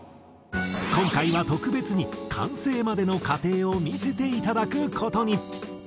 今回は特別に完成までの過程を見せていただく事に。